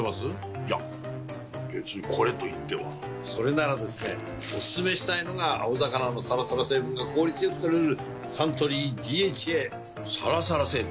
いや別にこれといってはそれならですねおすすめしたいのが青魚のサラサラ成分が効率良く摂れるサントリー「ＤＨＡ」サラサラ成分？